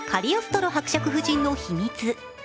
カリオストロ伯爵夫人の秘密」。